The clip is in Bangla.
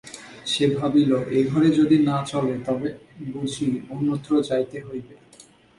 সে ভাবিল এঘরে যদি না চলে তবে বুঝি অন্যত্র যাইতে হইবে।